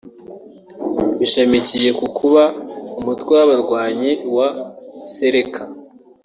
bishamikiye ku kuba mu mutwe w’abarwanyi wa Seleka